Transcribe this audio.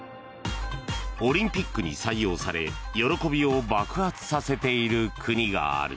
オリンピックに採用され喜びを爆発させている国がある。